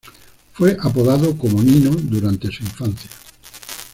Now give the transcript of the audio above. Fue apodado como "Nino" durante su infancia.